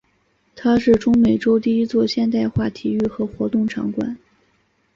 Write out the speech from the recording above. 它是中美洲第一座现代化体育和活动场馆。